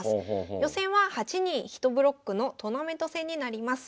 予選は８人１ブロックのトーナメント戦になります。